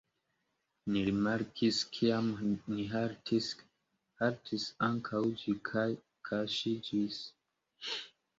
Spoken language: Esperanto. Ni rimarkis: kiam ni haltis, haltis ankaŭ ĝi kaj kaŝiĝis.